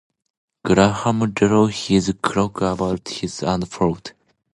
Graham drew his cloak about him and followed.